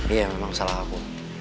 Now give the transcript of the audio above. iya memang salah aku